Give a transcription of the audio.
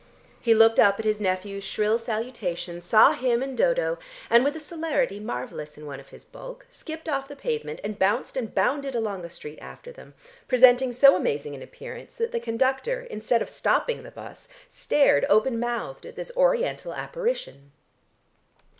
He looked up at his nephew's shrill salutation, saw him and Dodo, and with a celerity marvellous in one of his bulk, skipped off the pavement and bounced and bounded along the street after them, presenting so amazing an appearance that the conductor, instead of stopping the bus, stared open mouthed at this Oriental apparition.